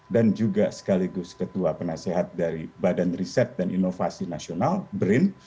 dan juga sekaligus ketua penasehat dari badan riset dan inovasi nasional brin